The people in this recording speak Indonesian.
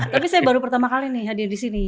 tapi saya baru pertama kali nih hadir disini